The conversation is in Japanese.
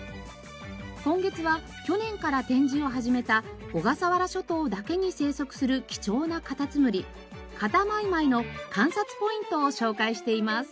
今月は去年から展示を始めた小笠原諸島だけに生息する貴重なカタツムリカタマイマイの観察ポイントを紹介しています。